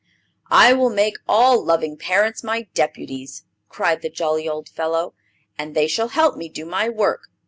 "I will make all loving parents my deputies!" cried the jolly old fellow, "and they shall help me do my work.